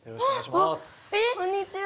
えっこんにちは。